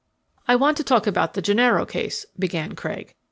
"I want to talk about the Gennaro case," began Craig.